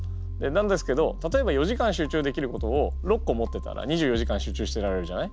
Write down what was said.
なんですけど例えば４時間集中できることを６個持ってたら２４時間集中してられるじゃない？